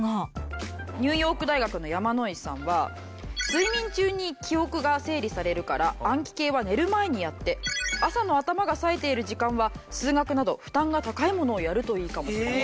ニューヨーク大学の山野井さんは「睡眠中に記憶が整理されるから暗記系は寝る前にやって朝の頭がさえている時間は数学など負担が高いものをやるといいかも」という事で。